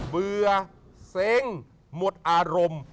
เบื่อเซ้งหมดอารมณ์